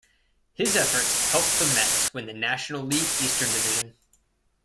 His efforts helped the Mets win the National League Eastern Division.